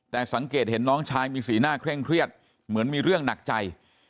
แต่สังเกตเห็นน้องชายมีสีหน้าเคร่งเครียดเหมือนมีเรื่องหนักใจ